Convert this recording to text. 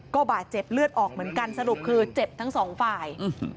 ก็บาดเจ็บเลือดออกเหมือนกันสรุปคือเจ็บทั้งสองฝ่าย